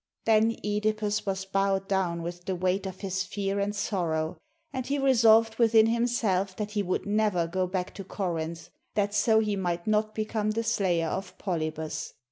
Then (Edipus was bowed down with the weight of his GREECE fear and sorrow; and he resolved within himself that he would never go back to Corinth, that so he might not become the slayer of Polybus.